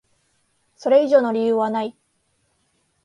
それ以上の理由はない。